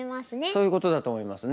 そういうことだと思いますね。